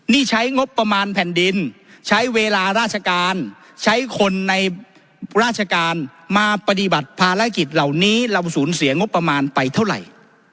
นี่ใช้งบประมาณแผ่นดินใช้เวลาราชการใช้คนในราชการมาปฏิบัติภารกิจเหล่านี้เราสูญเสียงบประมาณไปเท่าไหร่